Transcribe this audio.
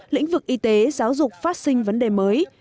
lĩnh vực y tế giáo dục phát sinh vấn đề mới